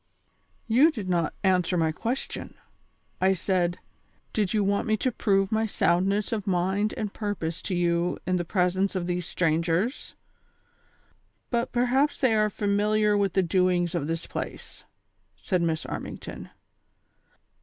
"You did not answer my question; I said, 'did you want me to prove my soundness of mind and purpose to you in the presence of these strangers V ' But, perhaps, they are familiar with the doings of this place," said Miss Arm ington.